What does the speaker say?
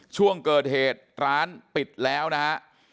ช่วงเกิดเหตุร้านปิดแล้วนะฮะ